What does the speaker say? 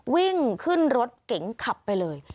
วิ่งขึ้นรถเก๋งขับไปเลย